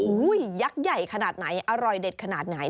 ยักษ์ใหญ่ขนาดไหนอร่อยเด็ดขนาดไหน